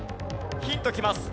ヒントきます。